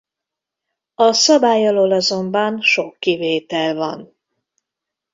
A szabály alól azonban sok kivétel van.